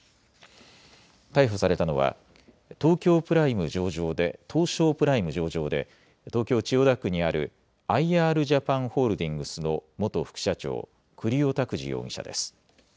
逮捕されたのは東証プライム上場で東京千代田区にあるアイ・アールジャパンホールディングスの元副社長、栗尾拓滋容疑者です。